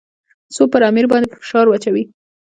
خو پر امیر باندې به فشار اچوي.